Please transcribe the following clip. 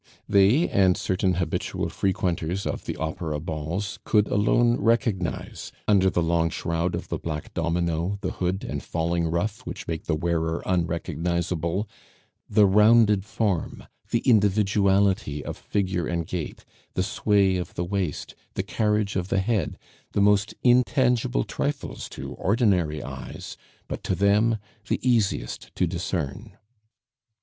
They, and certain habitual frequenters of the opera balls, could alone recognize under the long shroud of the black domino, the hood and falling ruff which make the wearer unrecognizable, the rounded form, the individuality of figure and gait, the sway of the waist, the carriage of the head the most intangible trifles to ordinary eyes, but to them the easiest to discern.